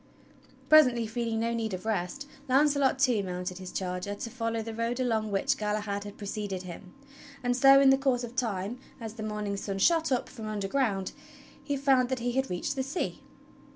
Presently, feeling no need of rest, Launcelot too mounted his charger to follow the road along which Galahad had preceded him; and so, in the course of time, as the morning sun shot up from un derground, he found that he had reached the sea.